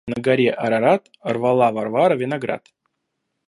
На горе Арарат рвала Варвара виноград.